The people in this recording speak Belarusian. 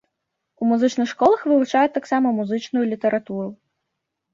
У музычных школах вывучаюць таксама музычную літаратуру.